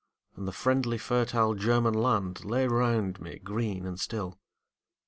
And the friendly fertile German land Lay round me green and still.